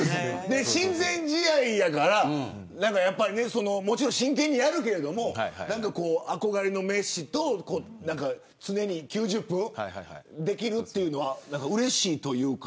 親善試合やからもちろん真剣にやるけど憧れのメッシと常に９０分できるというのはうれしいというか。